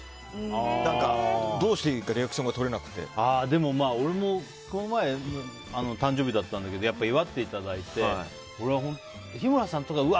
どうしていいのか俺もこの前、誕生日だったんだけど祝っていただいて日村さんとかはうわ！